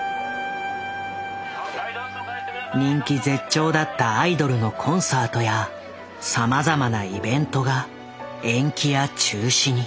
人気絶頂だったアイドルのコンサートやさまざまなイベントが延期や中止に。